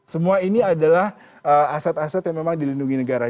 semua ini adalah aset aset yang memang dilindungi negara